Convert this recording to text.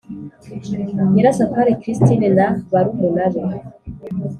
Nyirasafari christine na barumuna be